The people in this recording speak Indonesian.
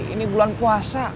ini bulan puasa